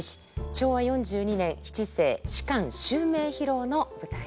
昭和４２年七世芝襲名披露の舞台です。